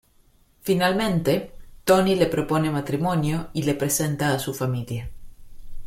Finalmente, Tony le propone matrimonio y le presenta a su familia.